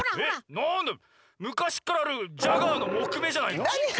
なんだむかしからあるジャガーのもくめじゃないか。